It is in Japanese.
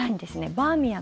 バーミヤン